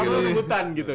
selama rebutan gitu